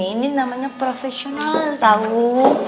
ini namanya profesional tau